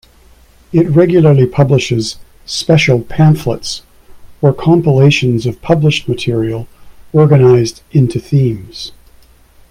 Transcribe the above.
It regularly publishes "special pamphlets," or compilations of published material organized into themes.